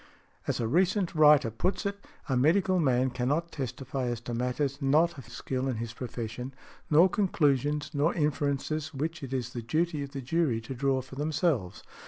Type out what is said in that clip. As a recent writer puts it, a medical man cannot testify as to matters not of skill in his profession, nor conclusions, nor inferences which it is the duty of the jury to draw for themselves.